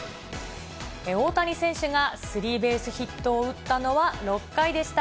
大谷選手がスリーベースヒットを打ったのは、６回でした。